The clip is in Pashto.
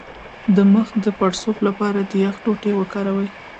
د مخ د پړسوب لپاره د یخ ټوټې وکاروئ